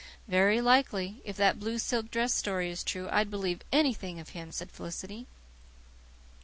"Very likely. If that blue silk dress story is true, I'd believe ANYTHING of him," said Felicity.